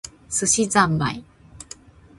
寿司ざんまい